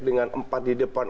dengan empat di depan